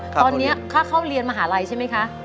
ตอนนี้ค่าเข้าเรียนมหาลัยใช่ไหมคะ